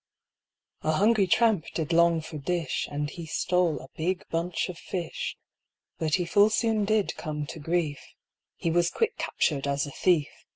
A hungry tramp did long for dish, And he stole a big bunch of fish, But he full soon did come to grief, He was quick captured as a thief.